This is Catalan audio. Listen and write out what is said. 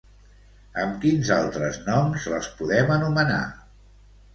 Amb quins altres noms les podem anomenar?